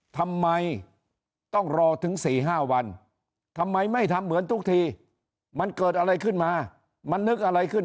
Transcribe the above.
ทำไมไม่ทำเหมือนทุกทีมันเกิดอะไรขึ้นมามันนึกอะไรขึ้น